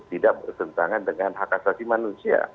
tidak bertentangan dengan hak asasi manusia